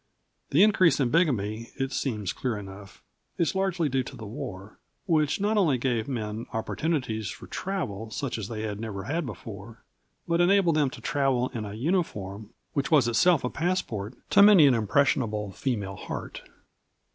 The increase in bigamy, it seems clear enough, is largely due to the war, which not only gave men opportunities for travel such as they had never had before, but enabled them to travel in a uniform which was itself a passport to many an impressionable female heart.